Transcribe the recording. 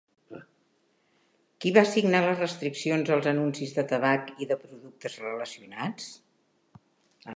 Qui va signar les restriccions als anuncis de tabac i de productes relacionats?